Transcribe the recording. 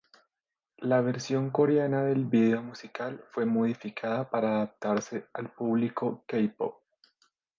La versión coreana del video musical fue modificada para adaptarse al público k-pop.